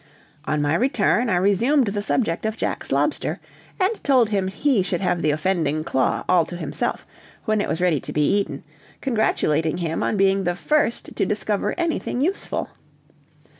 On my return I resumed the subject of Jack's lobster, and told him he should have the offending claw all to himself, when it was ready to be eaten, congratulating him on being the first to discover anything useful.